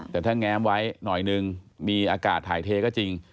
แต่ถ้าแง้มไว้หน่อยนึงมีอากาศถ่ายเทก็จริง